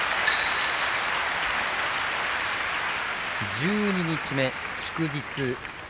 十二日目、祝日。